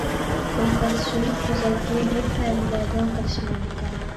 ئۇ قىز شۇنداق گۈزەلكى، ھۆر-پەرىلەردىن قېلىشمايدىكەن.